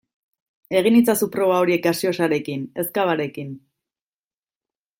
Egin itzazu proba horiek gaseosarekin ez cavarekin.